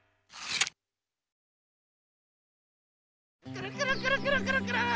くるくるくるくるくるくる。